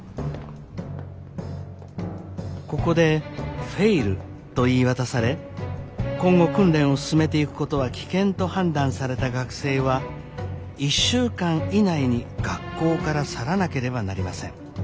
ここでフェイルと言い渡され今後訓練を進めていくことは危険と判断された学生は１週間以内に学校から去らなければなりません。